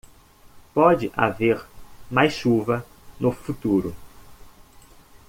Pode haver mais chuva no futuro.